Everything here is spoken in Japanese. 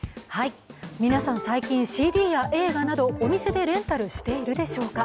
皆さん、最近ＣＤや映画などお店でレンタルしているでしょうか？